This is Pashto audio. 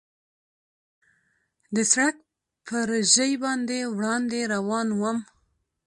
د سړک پر ژۍ باندې وړاندې روان ووم.